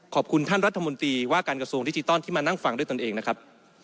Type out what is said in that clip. ขอบคุณท่านรัฐมนตรีว่าการกระทรวงดิจิทัลที่มานั่งฟังด้วยตนเองนะครับ